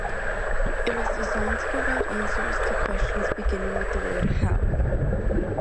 It was designed to provide answers to questions beginning with the word "How".